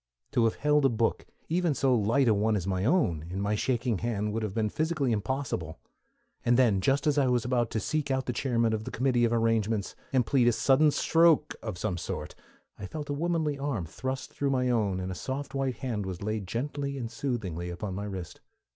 To have held a book, even so light a one as my own, in my shaking hand would have been physically impossible, and then, just as I was about to seek out the chairman of the committee of arrangements, and plead a sudden stroke of some sort, I felt a womanly arm thrust through my own, and a soft white hand was laid gently and soothingly upon my wrist.